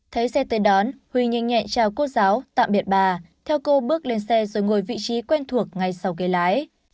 thấy xe tới đón huy nhanh nhẹn chào cô giáo tạm biệt bà theo cô bước lên xe rồi ngồi vị trí quen thuộc ngay sau ghế lái